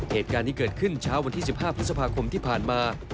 เหตุการณ์ที่เกิดขึ้นเช้าวันที่๑๕พฤษภาคมที่ผ่านมา